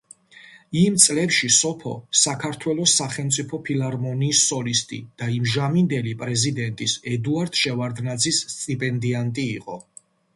იმ წლებში სოფო საქართველოს სახელმწიფო ფილარმონიის სოლისტი და იმჟამინდელი პრეზიდენტის ედუარდ შევარდნაძის სტიპენდიანტი იყო.